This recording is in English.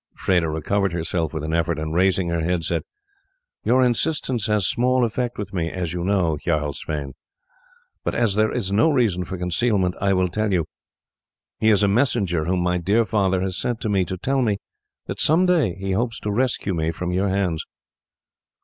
Freda recovered herself with an effort, and, raising her head, said, "Your insistence has small effect with me, as you know, Jarl Sweyn; but as there is no reason for concealment I will tell you. He is a messenger whom my dear father has sent to me to tell me that some day he hopes to rescue me from your hands."